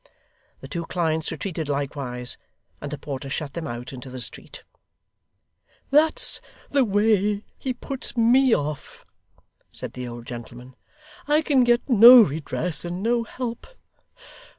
The two clients retreated likewise, and the porter shut them out into the street. 'That's the way he puts me off,' said the old gentleman, 'I can get no redress and no help.